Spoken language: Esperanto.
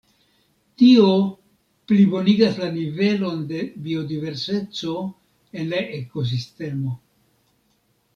Tio plibonigas la nivelon de biodiverseco en la ekosistemo.